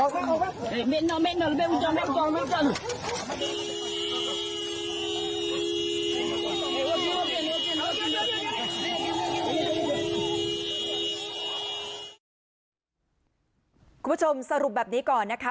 คุณผู้ชมสรุปแบบนี้ก่อนนะคะ